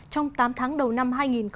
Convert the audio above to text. trong tám tháng đầu năm hai nghìn hai mươi